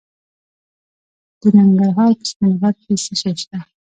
د ننګرهار په سپین غر کې څه شی شته؟